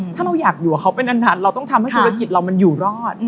ถ้าเราอยากอยู่กับเขาเป็นอันเราต้องทำให้ธุรกิจเรามันอยู่รอด